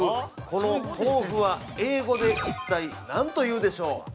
この豆腐は英語で、一体、何と言うでしょう。